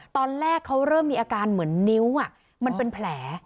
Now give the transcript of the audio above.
ตอนแรกเขาเริ่มมีอาการเหมือนนิ้วมันเป็นแผล